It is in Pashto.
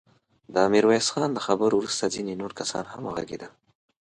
د ميرويس خان له خبرو وروسته ځينې نور کسان هم وغږېدل.